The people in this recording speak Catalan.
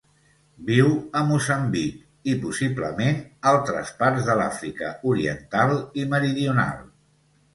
Viu a Moçambic i, possiblement, altres parts de l'Àfrica Oriental i Meridional.